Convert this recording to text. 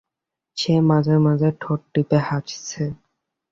সে মাঝে মাঝে ঠোঁট টিপে হাসছে।